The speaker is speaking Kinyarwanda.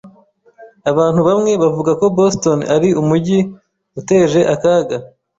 Abantu bamwe bavuga ko Boston ari umujyi uteje akaga.